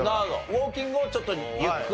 ウォーキングをちょっとゆっくり。